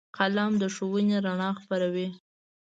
قلم د ښوونې رڼا خپروي